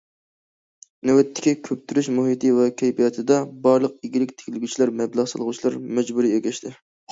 نۆۋەتتىكى كۆپتۈرۈش مۇھىتى ۋە كەيپىياتىدا، بارلىق ئىگىلىك تىكلىگۈچىلەر، مەبلەغ سالغۇچىلار مەجبۇرىي ئەگەشتى.